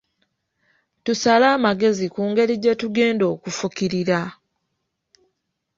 Tusale amagezi ku ngeri gyetugenda okufukirira.